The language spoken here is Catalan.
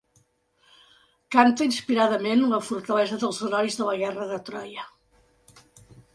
Cante inspiradament la fortalesa dels herois de la guerra de Troia.